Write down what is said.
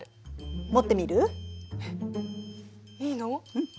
うん。